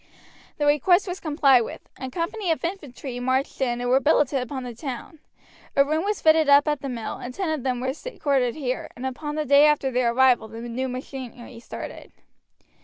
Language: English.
The request was complied with. A company of infantry marched in and were billeted upon the town. A room was fitted up at the mill, and ten of them were quartered here, and upon the day after their arrival the new machinery started.